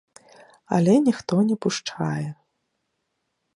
Але ніхто не пушчае.